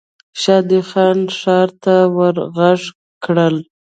شادي خان ښارو ته ور ږغ کړل.